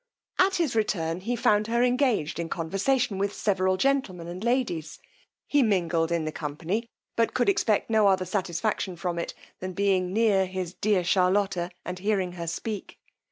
At his return he found her engaged in conversation with several gentlemen and ladies: he mingled in the company, but could expect no other satisfaction from it than being near his dear Charlotta, and hearing her speak.